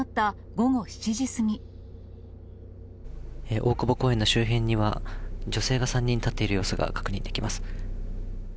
大久保公園の周辺には、女性が３人立っている様子が確認できます。